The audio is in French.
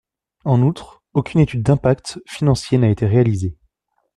En outre, aucune étude d’impact financier n’a été réalisée.